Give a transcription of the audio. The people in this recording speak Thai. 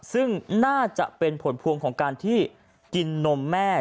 ซึ่งน่าจะเป็นผลพวงของการที่กินนมแม่